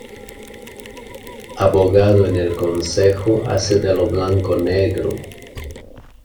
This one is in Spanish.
Abogado en el concejo hace de lo blanco negro.